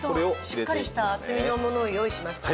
しっかりした厚みのものを用意しましたね。